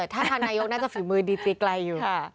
ถ้าท่านนายกน่าจะฝีมือดีจีไกลอยู่